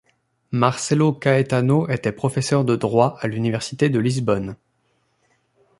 Marcelo Caetano était professeur de droit à l'Université de Lisbonne.